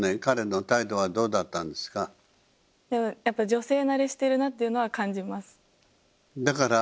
やっぱ女性慣れしてるなというのは感じます。